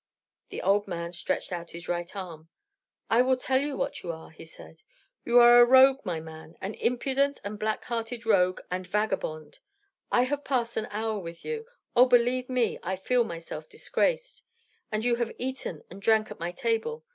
The old man stretched out his right arm. "I will tell you what you are," he said. "You are a rogue, my man, an impudent and a black hearted rogue and vagabond. I have passed an hour with you. Oh! believe me, I feel myself disgraced! And you have eaten and drank at my table.